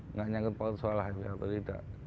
nggak nyangkut paud soalnya atau tidak